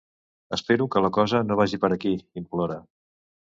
Espero que la cosa no vagi per aquí —implora—.